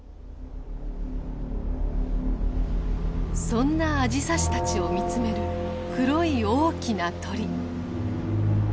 そんなアジサシたちを見つめる黒い大きな鳥。